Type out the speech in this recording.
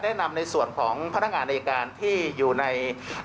ได้นำในส่วนของพนักงานเอการณ์ที่อยู่ใน